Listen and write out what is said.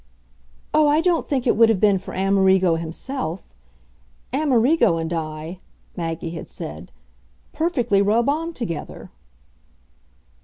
"Oh, I don't think it would have been for Amerigo himself. Amerigo and I," Maggie had said, "perfectly rub on together."